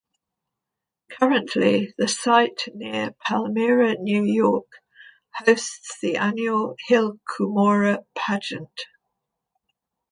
Currently, the site near Palmyra, New York, hosts the annual "Hill Cumorah Pageant".